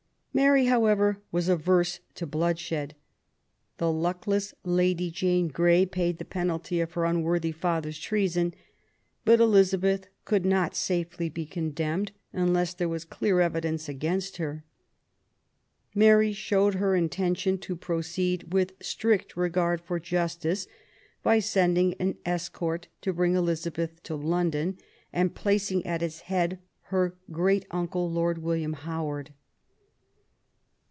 Mary, however, was averse to bloodshed. The luckless Lady Jane Grey paid the penalty of her unworthy father's treason ; but Elizabeth could not safely be condemned unless there was clear evidence against her. Mary showed her intention to proceed with strict regard for justice by sending an escort to bring Elizabeth to London, and placing at its head her great uncle. Lord William Howard.